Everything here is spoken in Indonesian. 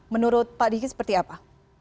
menurut pak diki seperti apa